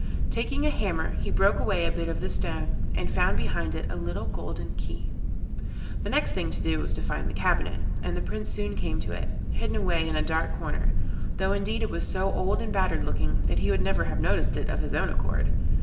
Taking a hammer he broke away a bit of the stone, and found behind it a little golden key. The next thing to do was to find the cabinet, and the Prince soon came to it, hidden away in a dark corner, though indeed it was so old and battered looking that he would never have noticed it of his own accord.